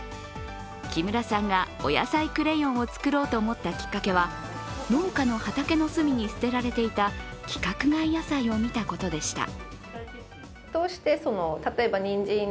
木村さんが、おやさいクレヨンを作ろうと思ったきっかけは農家の畑の隅に捨てられていた規格外野菜を見たことでした。